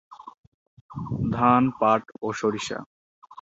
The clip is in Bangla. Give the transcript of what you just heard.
ধান, পাট, ও সরিষা।